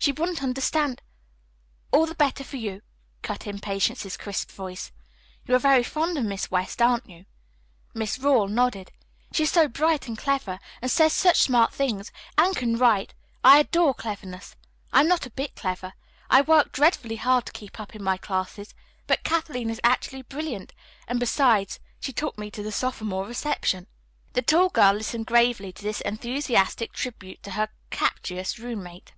She wouldn't understand " "All the better for you," cut in Patience's crisp voice. "You are very fond of Miss West, aren't you?" Miss Rawle nodded. "She is so bright and clever and says such smart things, and can write. I adore cleverness. I'm not a bit clever. I work dreadfully hard to keep up in my classes. But Kathleen is actually brilliant, and, besides, she took me to the sophomore reception." The tall girl listened gravely to this enthusiastic tribute to her captious roommate.